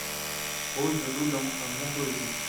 Rue de Loulans à Montbozon